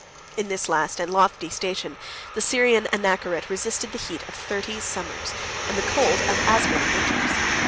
71 In this last and lofty station, the Syrian Anachoret resisted the heat of thirty summers, and the cold of as many winters.